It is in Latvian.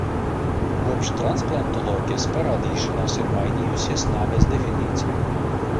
Kopš transplantoloģijas parādīšanās ir mainījusies nāves definīcija.